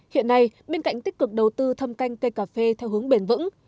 hiện nay bên cạnh tích cực đầu tư thâm canh cây cà phê theo hướng bền vững